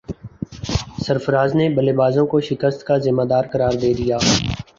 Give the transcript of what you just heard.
سرفراز نے بلے بازوں کو شکست کا ذمہ دار قرار دے دیا